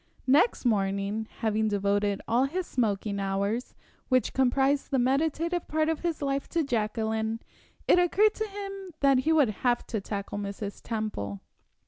Next morning, having devoted all his smoking hours, which comprised the meditative part of his life, to Jacqueline, it occurred to him that he would have to tackle Mrs. Temple.